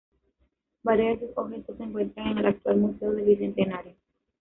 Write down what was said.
Varios de sus objetos se encuentran en el actual Museo del Bicentenario.